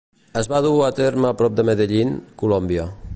Es va dur a terme prop de Medellín, Colòmbia.